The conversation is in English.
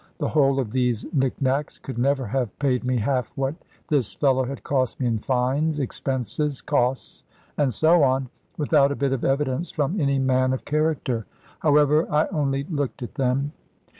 The whole of these nick nacks could never have paid me half what this fellow had cost me in fines, expenses, costs, and so on; without a bit of evidence from any man of character. However, I only looked at them.